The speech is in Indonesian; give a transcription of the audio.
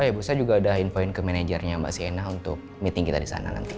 ya ibu saya juga udah infoin ke manajernya mbak sienna untuk meeting kita di sana nanti